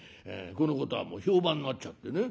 このことはもう評判になっちゃってね